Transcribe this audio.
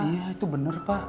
iya itu bener pak